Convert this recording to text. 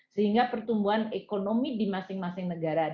sehingga pertumbuhan ekonomi di masing masing negara